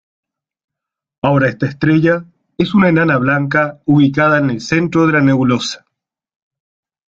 Ahora esta estrella es una enana blanca ubicada en el centro de la nebulosa.